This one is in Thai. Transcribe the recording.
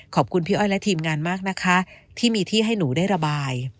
ขอบคุณพี่อ้อยและทีมงานมากนะคะที่มีที่ให้หนูได้ระบาย